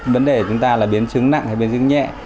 vấn đề của chúng ta là biến chứng nặng hay biến chứng nhẹ